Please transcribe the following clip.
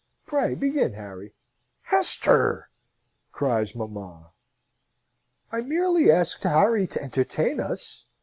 Pray begin, Harry!" "Hester!" cries mamma. "I merely asked Harry to entertain us.